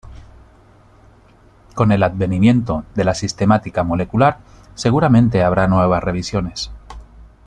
Con el advenimiento de la sistemática molecular seguramente habrá nuevas revisiones.